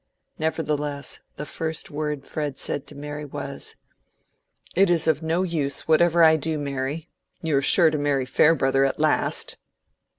Nevertheless, the first word Fred said to Mary was— "It is of no use, whatever I do, Mary. You are sure to marry Farebrother at last."